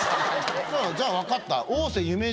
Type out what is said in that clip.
「じゃあ分かった」。